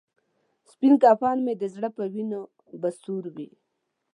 سپین کفن مې د زړه په وینو به سور وي.